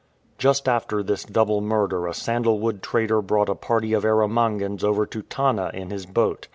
Just after this double murder a sandalwood trader brought a party of Erromangans over to Tanna in his boat.